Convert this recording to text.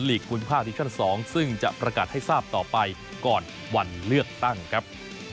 คุณค่าดิชั่น๒ซึ่งจะประกาศให้ทราบต่อไปก่อนวันเลือกตั้งครับ